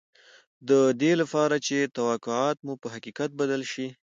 د دې لپاره چې توقعات مو په حقیقت بدل شي